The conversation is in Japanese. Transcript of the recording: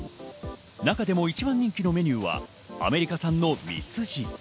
中でも一番人気のメニューはアメリカ産のミスジ。